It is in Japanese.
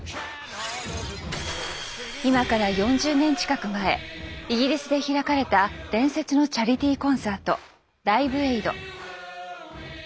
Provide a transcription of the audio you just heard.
今から４０年近く前イギリスで開かれた伝説のチャリティーコンサート「ライブエイド」。